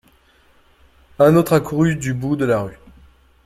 Un autre accourut du bout de la rue.